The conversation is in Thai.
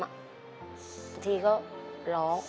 บางทีก็หลอก